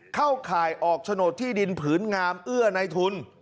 เข้าข่ายออกโฉนดที่ดินผืนงามเอื้อในทุน